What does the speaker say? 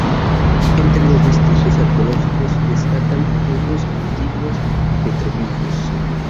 Entre los vestigios arqueológicos destacan unos antiguos petroglifos.